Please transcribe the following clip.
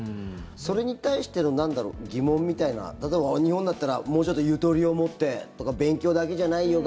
それに対してのなんだろう疑問みたいな例えば、日本だったらもうちょっとゆとりを持ってとか勉強だけじゃないよ